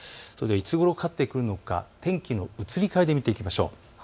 いつごろかかってくるのか、天気の移り変わりで見ていきましょう。